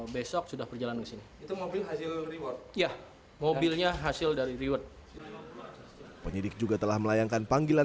besok sudah berjalan ke sini mobilnya hasil dari reward penyidik juga telah melayangkan panggilan